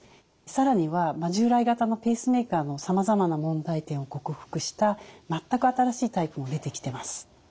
更には従来型のペースメーカーのさまざまな問題点を克服したまったく新しいタイプも出てきてます。